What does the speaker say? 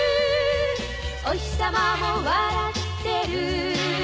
「おひさまも笑ってる」